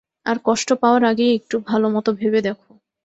আর কষ্ট পাওয়ার আগেই একটু ভালোমতো ভেবে দেখো!